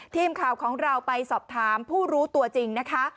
ทีมข่าวของเราไปสอบถามผู้รู้ตัวจริงนะคะ